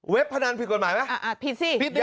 เว็บพนันผิดกฎหมายไหม